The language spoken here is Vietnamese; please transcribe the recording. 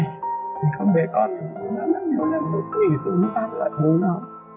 thì con bé con nó rất nhiều lần cũng bị sự nguy hiểm lợi bố nó